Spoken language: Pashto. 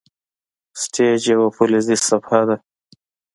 سټیج یوه فلزي صفحه ده.